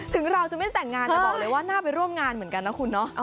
ถึงเราจะไม่แต่งงานแต่บอกเลยว่าน่าไปร่วมงานเหมือนกันนะคุณเนาะ